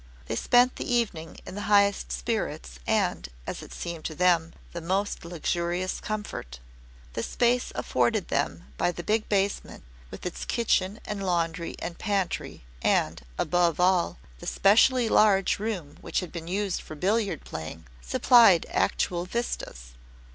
They spent the evening in the highest spirits and as it seemed to them the most luxurious comfort. The space afforded them by the big basement, with its kitchen and laundry and pantry, and, above all, the specially large room which had been used for billiard playing, supplied actual vistas.